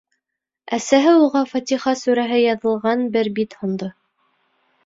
Әсәһе уға «Фатиха» сүрәһе яҙылған бер бит һондо.